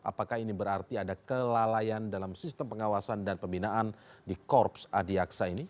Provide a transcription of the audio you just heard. apakah ini berarti ada kelalaian dalam sistem pengawasan dan pembinaan di korps adiaksa ini